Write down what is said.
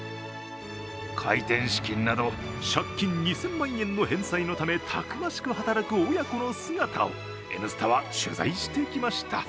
開店資金など借金２０００万円の返済のためたくましく働く親子の姿を「Ｎスタ」は取材してきました。